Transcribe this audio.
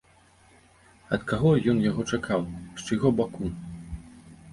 Ад каго ён яго чакаў, з чыйго баку?